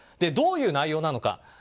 どういう内容なのか。